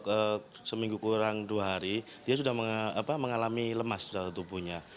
dia dalam waktu seminggu kurang dua hari dia sudah mengalami lemas dalam tubuhnya